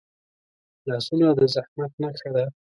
لاسونه د زحمت نښه ده